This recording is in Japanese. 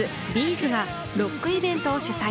’ｚがロックイベントを主催。